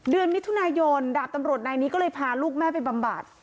เดือนมิถุนายนดาบตำรวจนายนี้ก็เลยพาลูกแม่ไปบำบัด